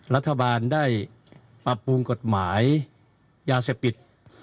รัฐบาลได้ปรับปรุงกฎหมายยาเสพติด